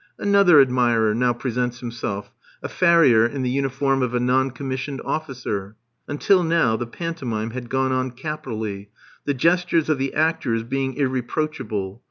Another admirer now presents himself a farrier in the uniform of a non commissioned officer. Until now the pantomime had gone on capitally; the gestures of the actors being irreproachable.